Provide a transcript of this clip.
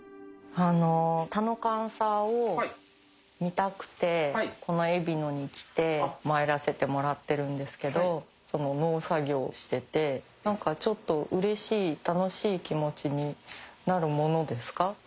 田の神さぁを見たくてこのえびのに来て参らせてもらってるんですけど農作業をしてて何かちょっと嬉しい楽しい気持ちになるものですか？